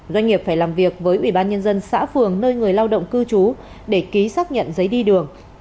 doanh nghiệp phải làm việc với ủy ban nhân dân xã phường nơi người lao động cư trú để ký xác nhận giấy đi đường